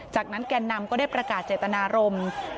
จากนั้นแก่นำก็ได้ประกาศเจตนารมณ์